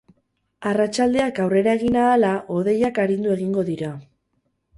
Arratsaldeak aurrera egin ahala, hodeiak arindu egingo dira.